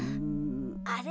あれ？